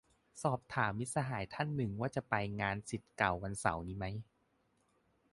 สอบถามมิตรสหายท่านหนึ่งว่าจะไปงานศิษย์เก่าวันเสาร์นี้ไหม